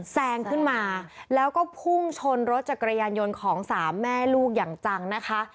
แซงขึ้นมาแล้วก็พุ่งชนรถจักรยานยนต์ของสามแม่ลูกอย่างจังนะคะ